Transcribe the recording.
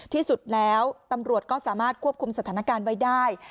ที่สุดแล้วตำรวจก็สามารถควบคุมสถานการณ์ไว้ได้